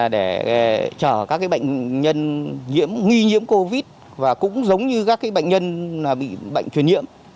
để chở các bệnh nhân nhiễm nghi nhiễm covid và cũng giống như các bệnh nhân bị bệnh truyền nhiễm